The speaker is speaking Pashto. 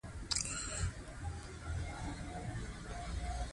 کیمیا یوازې د فلزاتو د طلا کولو هڅه نه وه.